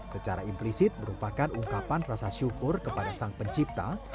secara implisit merupakan ungkapan rasa syukur kepada sang pencipta